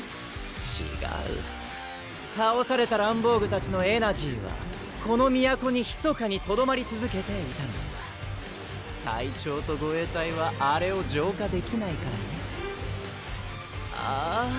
ちがうたおされたランボーグたちのエナジーはこの都にひそかにとどまりつづけていたのさ隊長と護衛隊はあれを浄化できないからねあぁ